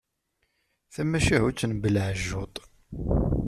Tamacahut n belɛejjuṭ.